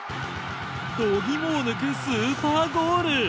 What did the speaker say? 度肝を抜くスーパーゴール！